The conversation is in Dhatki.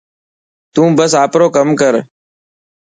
تون بس آپرو ڪم ڪر.